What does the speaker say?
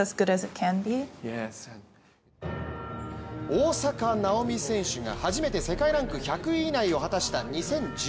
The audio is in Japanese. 大坂なおみ選手が初めて世界ランク１００位以内を果たした２０１６年。